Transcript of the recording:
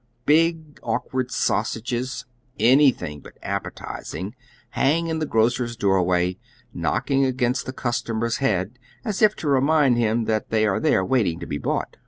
Big, awkward sausages, anything but appetizing, hang in the grocer's doorway, knocking against the customer's head as if to remind him that they are there waiting to be bought.